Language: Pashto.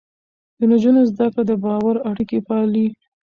د نجونو زده کړه د باور اړيکې پالي.